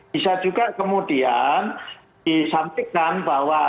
bisa juga kemudian disampaikan bahwa